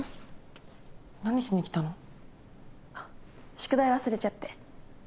宿題忘れちゃって。